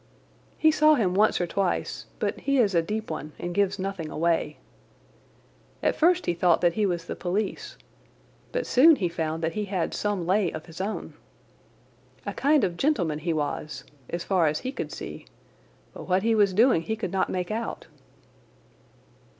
"He saw him once or twice, but he is a deep one and gives nothing away. At first he thought that he was the police, but soon he found that he had some lay of his own. A kind of gentleman he was, as far as he could see, but what he was doing he could not make out."